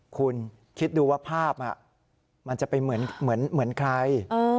คุณคิดดูว่าภาพมันจะเป็นเหมือนใคร